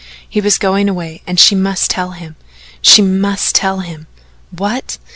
He was going away and she must tell him she must tell him what?